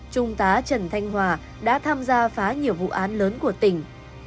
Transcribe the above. trung tá trần thanh hòa đã tham gia phá nhiều vụ án lớn của tỉnh